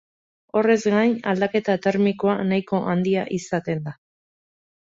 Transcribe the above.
Horrez gain, aldaketa termikoa nahiko handia izaten da.